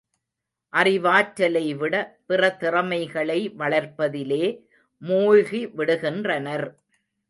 அறிவாற்றலைவிட, பிற திறமைகளை வளர்ப்பதிலே மூழ்கி விடுகின்றனர்.